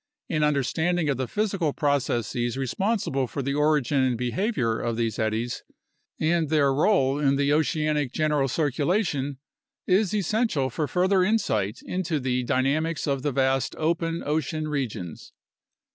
An understanding of the physical processes responsible for the origin and behavior of these eddies and their role in the oceanic PHYSICAL BASIS OF CLIMATE AND CLIMATIC CHANGE 27 general circulation is essential for further insight into the dynamics of the vast open ocean regions.